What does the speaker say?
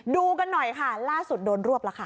ดูกันหน่อยค่ะล่าสุดโดนรวบแล้วค่ะ